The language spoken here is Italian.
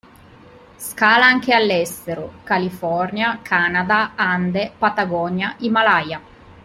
Scala anche all'estero: California, Canada, Ande, Patagonia, Himalaya.